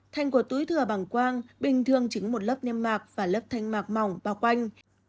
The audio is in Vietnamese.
thành của túi thừa bằng quang bình thường chính một lớp niêm mạc và lớp thanh mạc mỏng bao quanh